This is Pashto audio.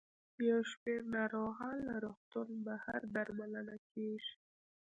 یو شمېر ناروغان له روغتون بهر درملنه کیږي.